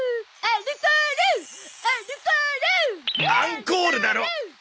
アンコールだろ！